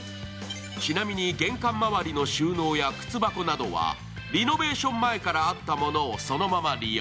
ちなみに玄関周りの収納や靴箱などはリノベーション前からあったものをそのまま利用。